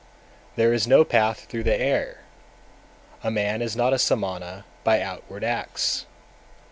254. There is no path through the air, a man is not a Samana by outward acts.